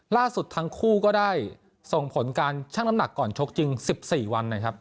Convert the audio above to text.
ล่าสุดทั้งคู่ก็ได้ส่งผลการชั่งน้ำหนักก่อนชกจริง๑๔วันนะครับ